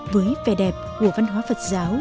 với vẻ đẹp của văn hóa phật giáo